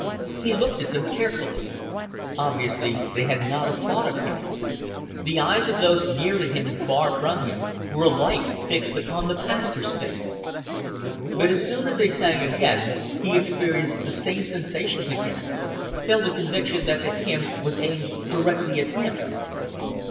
He looked at them carefully. Obviously they had not a thought of him. The eyes of those near to him and far from him were alike fixed upon the pastor's face. But as soon as they sang again he experienced the same sensations again, felt a conviction that the hymn was aimed directly at him.